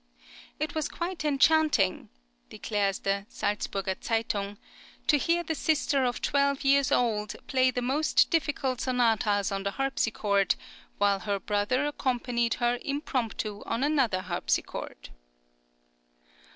"It was quite enchanting," declares the "Salzburger Zeitung"[20035] "to hear the sister {FIRST JOURNEY.} (42) of twelve years old play the most difficult sonatas on the harpsichord, while her brother accompanied her impromptu on another harpsichord."